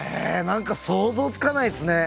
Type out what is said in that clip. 何か想像つかないですね。